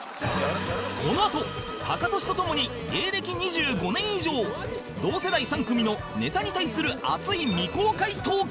このあとタカトシと共に芸歴２５年以上同世代３組のネタに対する熱い未公開トーク